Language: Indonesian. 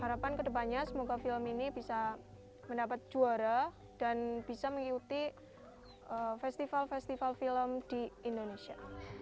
harapan kedepannya semoga film ini bisa mendapat juara dan bisa mengikuti festival festival film di indonesia